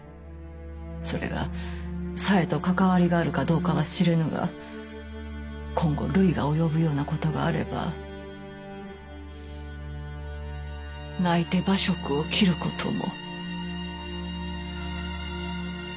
それが紗江と関わりがあるかどうかは知れぬが今後累が及ぶようなことがあれば泣いて馬謖を斬ることも。